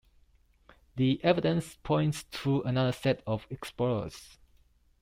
The evidence points to another set of explorers.